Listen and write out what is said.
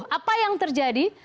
apa yang terjadi